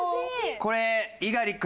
これ猪狩君。